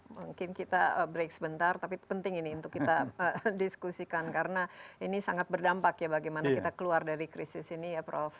mungkin kita break sebentar tapi penting ini untuk kita diskusikan karena ini sangat berdampak ya bagaimana kita keluar dari krisis ini ya prof